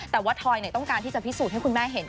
แต่ว่าทอยต้องการที่จะพิสูจน์ให้คุณแม่เห็น